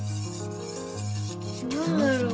何だろう？